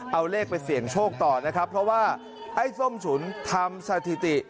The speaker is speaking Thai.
เอาเลขไปเสี่ยงโชคต่อนะครับเพราะว่าไอ้ส้มฉุนทำสถิติ